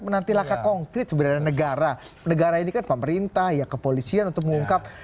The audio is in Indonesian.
menanti laka konkret sebenarnya negara negara ini kan pemerintah ya kepolisian untuk mengungkap